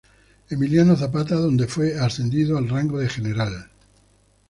Emiliano Zapata, donde fue ascendido al rango de general.